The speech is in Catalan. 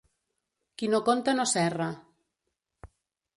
Qui no conta, no s'erra.